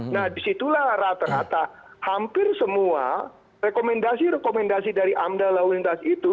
nah disitulah rata rata hampir semua rekomendasi rekomendasi dari amda lawintas itu